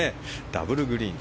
ダブルグリーン。